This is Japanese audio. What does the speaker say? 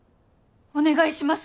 お願いします